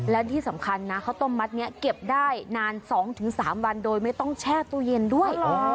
และที่สำคัญนะข้าวต้มมัดนี้เก็บได้นาน๒๓วันโดยไม่ต้องแช่ตู้เย็นด้วย